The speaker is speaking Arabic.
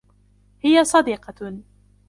هي صديقة.